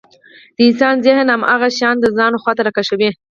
د انسان ذهن هماغه شيان د ځان خواته راکشوي.